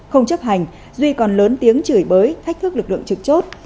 không chấp hành duy còn lớn tiếng chửi bới thách thức lực lượng trực chốt